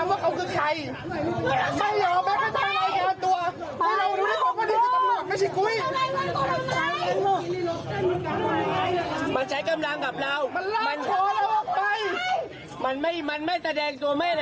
ไม่ยอมกระทั่งรายการตัวได้ซ้ำว่าเขาคือใครไม่ยอมไม่กระทั่งรายการตัว